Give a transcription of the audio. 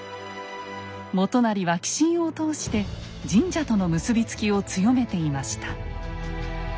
元就は寄進を通して神社との結び付きを強めていました。